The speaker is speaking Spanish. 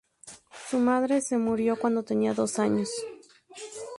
Su madre se murió cuando tenía dos años.